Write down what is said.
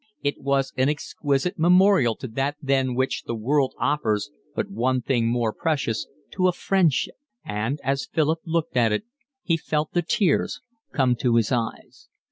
It was an exquisite memorial to that than which the world offers but one thing more precious, to a friendship; and as Philip looked at it, he felt the tears come to his eyes.